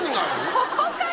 ここから？